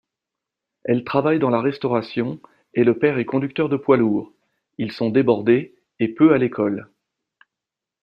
Elle travaille dans la restauration et le père est conducteur de poids-lourds, ils sont débordés et peu à l’école.